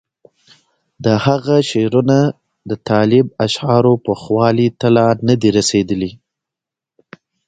د هغه شعرونه د طالب اشعارو پوخوالي ته لا نه دي رسېدلي.